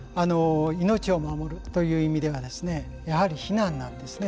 命を守るという意味ではですねやはり避難なんですね。